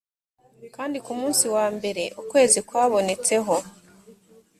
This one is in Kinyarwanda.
kandi ku munsi wa mbere ukwezi kwabonetseho